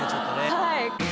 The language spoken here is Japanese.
はい。